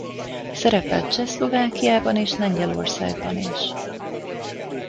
Szerepelt Csehszlovákiában és Lengyelországban is.